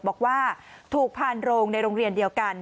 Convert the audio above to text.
บอกว่าถูกพานโรงในโรงเรียนเดียวกัน